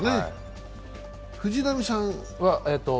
藤浪さんは？